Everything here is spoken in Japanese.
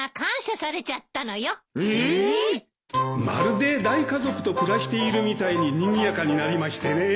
まるで大家族と暮らしているみたいににぎやかになりましてね